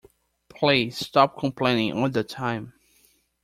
Please stop complaining all the time!